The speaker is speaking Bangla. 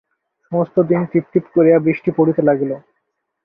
সমস্ত দিন টিপ টিপ করিয়া বৃষ্টি পড়িতে লাগিল।